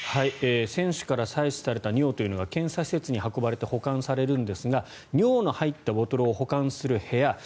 選手から採取された尿というのは検査施設に運ばれて保管されるんですが尿の入ったボトルを保管する部屋